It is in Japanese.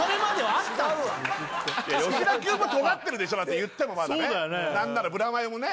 違うわ吉田君もトガってるでしょだって言ってもまだね何ならブラマヨもね